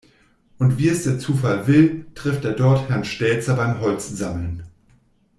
Und wie es der Zufall will, trifft er dort Herrn Stelzer beim Holzsammeln.